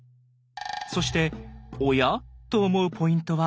そして「おや？」と思うポイントは右下。